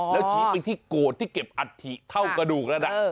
แล้วฉีกไปที่โกสที่เก็บอะถิเท่ากระดูกแล้วนะ